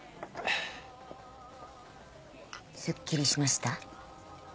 すっきりしました？